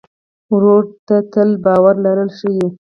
ورور ته تل باور لرلی شې.